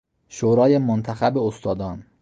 شورای منتخب استادان